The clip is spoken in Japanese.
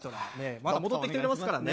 また戻ってきてくれますからね。